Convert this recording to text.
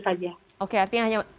saja oke artinya hanya